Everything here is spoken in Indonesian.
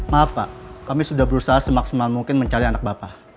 maaf pak kami sudah berusaha semaksimal mungkin mencari anak bapak